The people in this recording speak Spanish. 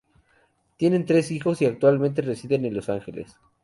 Tienen tres hijos y actualmente residen en Los Ángeles.